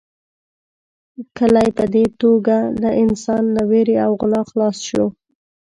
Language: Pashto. کلی په دې توګه له انسان له وېرې او غلا خلاص شو.